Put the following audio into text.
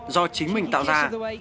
do chính mình tạo ra